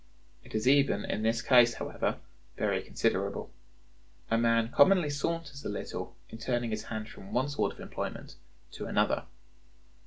It is even in this case, however, very considerable. A man commonly saunters a little in turning his hand from one sort of employment to another."